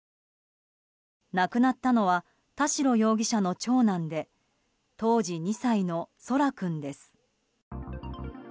亡くなったのは田代容疑者の長男で当時２歳の、空来君です。